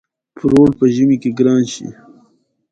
پروړ په ژمی کی ګران شی.